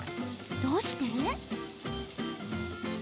どうして？